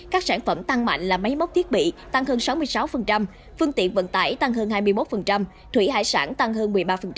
các sản phẩm tăng mạnh là máy móc thiết bị tăng hơn sáu mươi sáu phương tiện vận tải tăng hơn hai mươi một thủy hải sản tăng hơn một mươi ba